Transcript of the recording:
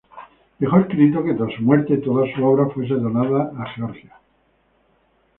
Dejó escrito que tras su muerte, toda su obra fuese donada a Georgia.